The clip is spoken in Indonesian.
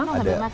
karena ada masa